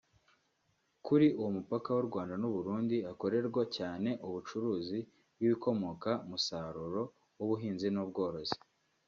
Kuri uwo mupaka w’u Rwanda n’uburundi hakorerwa cyane ubucuruzi bw’ibikomoka musaruro w’ubuhinzi n’ubworozi